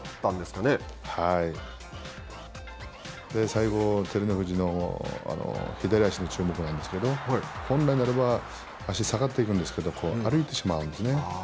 最後、照ノ富士の左足に注目なんですけど本来ならば足下がっていくんですけれども歩いてしまうんですね。